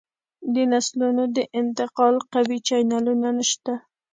د نسلونو د انتقال قوي چینلونه نشته